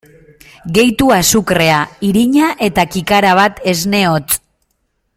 Gehitu azukrea, irina eta kikara bat esne hotz.